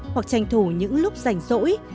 hoặc tranh thủ những lúc rảnh rỗi